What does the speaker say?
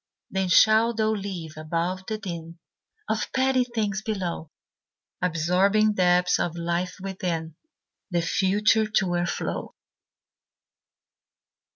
Then shalt thou live above the din Of petty things below, Absorbing depths of life within, The future to o'erflow."